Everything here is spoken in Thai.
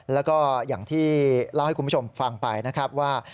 แล้วก็อย่างที่เล่าให้คุณผู้ชมฟังไปนะครับว่า